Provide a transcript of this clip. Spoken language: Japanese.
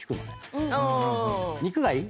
肉がいい？